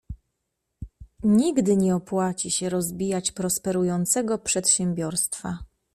Nigdy nie opłaci się rozbijać prosperującego przedsiębiorstwa.